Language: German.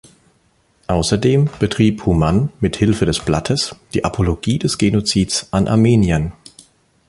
Außerdem betrieb Humann mit Hilfe des Blattes die Apologie des Genozids an Armeniern.